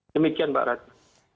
demikian mbak ratu